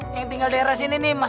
yang tinggal daerah sini nih mas